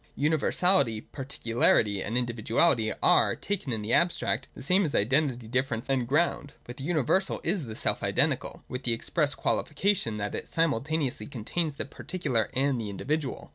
Universality, particularity, and individuality are, taken in the abstract, the same as identity, difference, and ground. But the universal is the self identical, with the express qualification, that it simultaneously contains the particular and the individual.